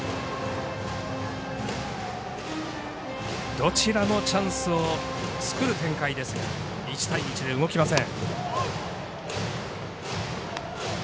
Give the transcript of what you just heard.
どちらもチャンスを作る展開ですが１対１で動きません。